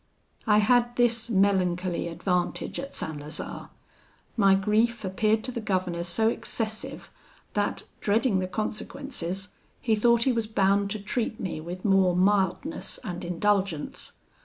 "I had this melancholy advantage at St. Lazare. My grief appeared to the governor so excessive, that, dreading the consequences, he thought he was bound to treat me with more mildness and indulgence.